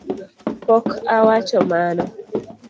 Pok awacho mano